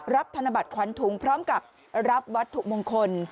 ธนบัตรขวัญถุงพร้อมกับรับวัตถุมงคล